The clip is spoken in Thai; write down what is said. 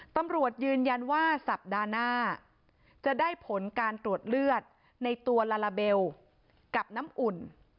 ตำรวจยืนยันว่าสัปดาห์หน้าจะได้ผลการตรวจเลือดในตัวลาลาเบลกับน้ำอุ่น